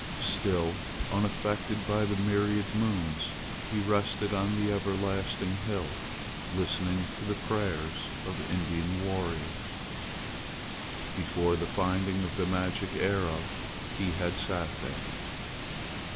Still unaffected by the myriad moons he rested on the everlasting hill, listening to the prayers of Indian warriors. Before the finding of the magic arrow he had sat there.